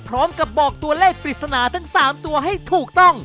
บอกตัวเลขปริศนาทั้ง๓ตัวให้ถูกต้อง